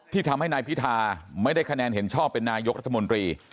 ทำให้นายพิธาไม่ได้คะแนนเห็นชอบเป็นนายกรัฐมนตรี